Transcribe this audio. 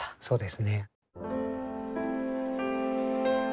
そうですね。